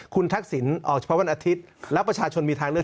คุณทักษิณออกเฉพาะวันอาทิตย์แล้วประชาชนมีทางเลือก